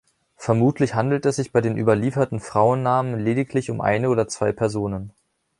Vermutlich handelt es sich bei den überlieferten Frauennamen lediglich um eine oder zwei Personen.